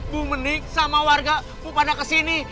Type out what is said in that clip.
bu menik sama warga bu pada kesini